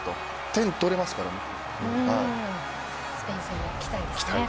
点、取れますからね。